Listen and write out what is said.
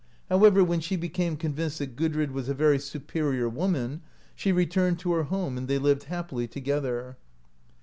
However, when she became convinced that Gudrid was a very superior woman, she returned to her home, and they lived happily together.